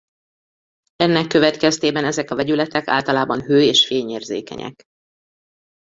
Ennek következtében ezek a vegyületek általában hő- és fényérzékenyek.